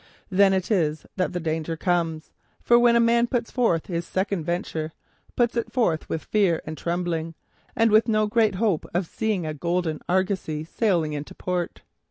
Then it is that the danger comes, for then a man puts forth his second venture, puts it forth with fear and trembling, and with no great hope of seeing a golden Argosy sailing into port.